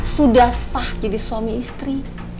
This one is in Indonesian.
sudah sah jadi suami istri